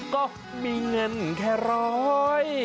ก็มีเงินแค่ร้อย